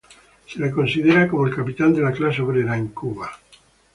Se le considera como el "Capitán de la clase obrera" en Cuba.